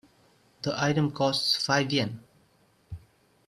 The item costs five Yen.